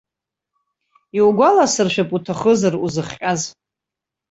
Иугәаласыршәап, уҭахызар, узыхҟьаз?